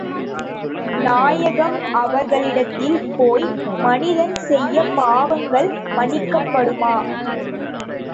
நாயகம் அவர்களிடத்தில் போய், மனிதன் செய்த பாவங்கள் மன்னிக்கப்படுமா?